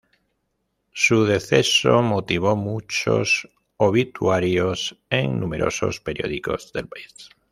Su deceso motivó muchos obituarios en numerosos periódicos del país.